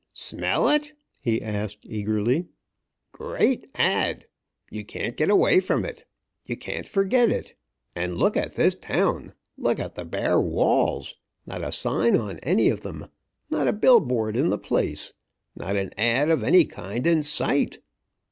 "Smell it?" he asked eagerly. "Great 'ad.!' You can't get away from it. You can't forget it. And look at this town. Look at the bare walls! Not a sign on any of them! Not a bill board in the place! Not an 'ad.' of any kind in sight!